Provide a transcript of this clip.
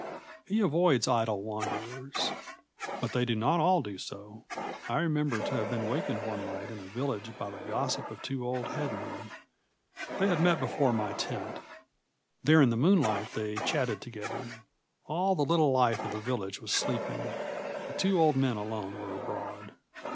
He avoids idle wanderers. But they do not all do so. I remember to have been wakened one night in a village by the gossip of two old headmen. They had met before my tent; there in the moonlight they chatted together. All the little life of the village was sleeping; the two old men alone were abroad.